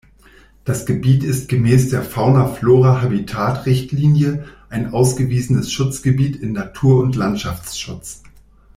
Das Gebiet ist gemäß der Fauna-Flora-Habitat-Richtlinie ein ausgewiesenes Schutzgebiet in Natur- und Landschaftsschutz.